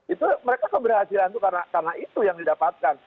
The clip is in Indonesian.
itu mereka keberhasilan itu karena itu yang didapatkan